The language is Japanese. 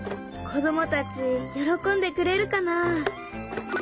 子どもたち喜んでくれるかな。